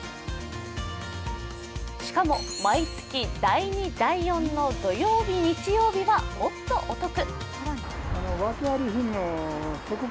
しかも、毎月第２・第４の土曜日・日曜日はもっとお得。